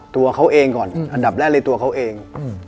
ตัวเขาเองก่อนอันดับแรกเลยตัวเขาเอง